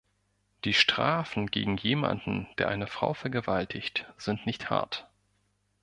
Die Strafen gegen jemanden, der eine Frau vergewaltigt, sind nicht hart.